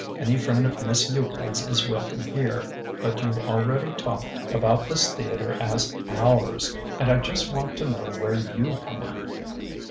"Any friend of Miss Euclid's is welcome here, but you've already talked about this theatre as 'ours,' and I just want to know where you come in."